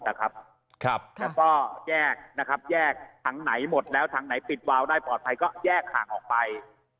แล้วก็แยกนะครับแยกทางไหนหมดแล้วทางไหนปิดวาวได้ปลอดภัยก็แยกห่างออกไป